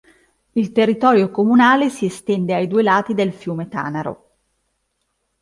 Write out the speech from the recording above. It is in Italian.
Il territorio comunale si estende ai due lati del fiume Tanaro.